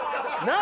何？